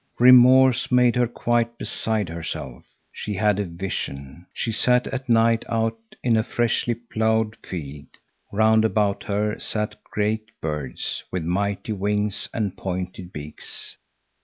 Remorse made her quite beside herself. She had a vision. She sat at night out in a freshly ploughed field. Round about her sat great birds with mighty wings and pointed beaks.